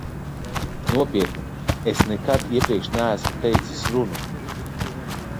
Nopietni, es nekad iepriekš neesmu teicis runu.